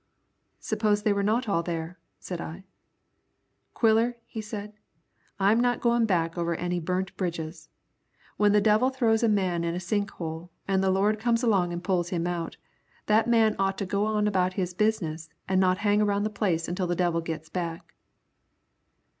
"Suppose they were not all there?" said I. "Quiller," said he, "I'm not goin' back over any burnt bridges. When the devil throws a man in a sink hole an' the Lord comes along an' pulls him out, that man ought to go on about his business an' not hang around the place until the devil gits back."